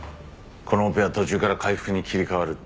このオペは途中から開腹に切り替わるって。